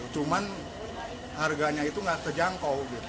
cuman harganya itu nggak terjangkau